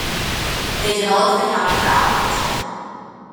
They developed the county for agriculture.